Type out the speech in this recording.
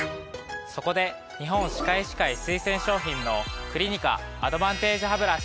そこで日本歯科医師会推薦商品のクリニカアドバンテージハブラシ。